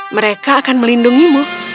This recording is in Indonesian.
mereka akan melindungimu